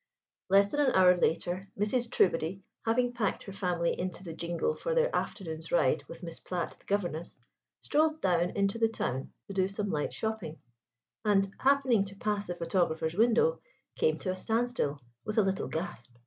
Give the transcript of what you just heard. Less than an hour later, Mrs. Trewbody, having packed her family into the jingle for their afternoon's ride with Miss Platt, the governess, strolled down into the town to do some light shopping; and, happening to pass the photographer's window, came to a standstill with a little gasp.